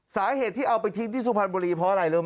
สาเหตุที่เอาไปทิ้งที่สุพรรณบุรีเพราะอะไรรู้ไหม